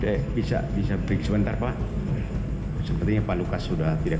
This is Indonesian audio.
saya bisa bisa break sebentar pak sepertinya pak lukas sudah tidak